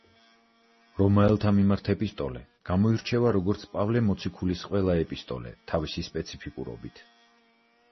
რომაელთა მიმართ ეპისტოლე გამოირჩევა როგორც პავლე მოციქულის ყველა ეპისტოლე თავისი სპეციფიკურობით.